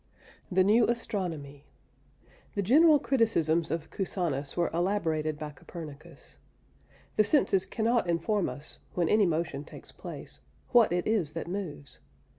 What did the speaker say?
THE NEW ASTRONOMY. The general criticisms of Cusanus were elaborated by Copernicus. The senses cannot inform us (when any motion takes place) what it is that moves.